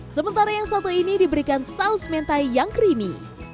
sementara yang satu ini diberikan saus mentai yang creamy